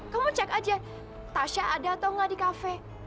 kamu cek aja tasya ada atau gak di cafe